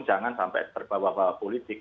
jangan sampai terbawa bawa politik